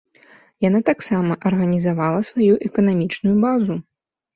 Яна таксама арганізавала сваю эканамічную базу.